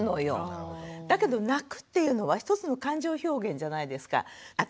だけど泣くっていうのは一つの感情表現じゃないですか。